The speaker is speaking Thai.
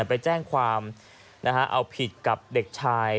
ไปแจ้งความเอาผิดกับเด็กชาย